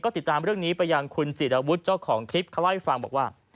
ก็ติดตามเรื่องนี้ไปอย่างคุณจีนวุฒิเจ้าของคลิปครับร่อยฟังบอกว่า